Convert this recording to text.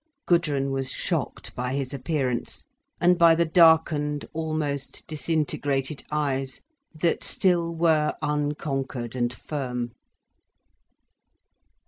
Gudrun was shocked by his appearance, and by the darkened, almost disintegrated eyes, that still were unconquered and firm.